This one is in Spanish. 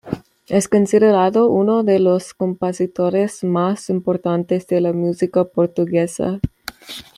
Es considerado uno de los compositores más importantes de la música portuguesa.